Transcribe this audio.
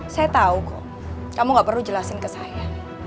saya tahu kok kamu gak perlu jelasin ke saya